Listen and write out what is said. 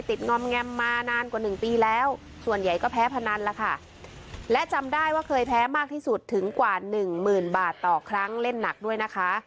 งอมแงมมานานกว่าหนึ่งปีแล้วส่วนใหญ่ก็แพ้พนันล่ะค่ะและจำได้ว่าเคยแพ้มากที่สุดถึงกว่าหนึ่งหมื่นบาทต่อครั้งเล่นหนักด้วยนะคะ